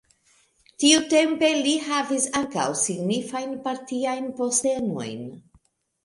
Tiutempe li havis ankaŭ signifajn partiajn postenojn.